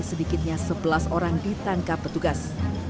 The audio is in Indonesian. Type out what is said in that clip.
sedikitnya sebelas orang ditangkap petugas